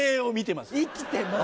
生きてます！